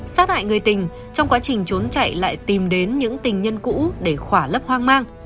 sát hại người tình trong quá trình trốn chạy lại tìm đến những tình nhân cũ để khỏa lấp hoang mang